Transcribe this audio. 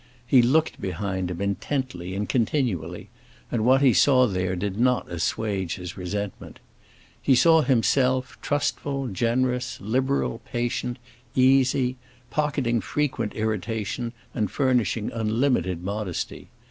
He looked behind him intently and continually, and what he saw there did not assuage his resentment. He saw himself trustful, generous, liberal, patient, easy, pocketing frequent irritation and furnishing unlimited modesty.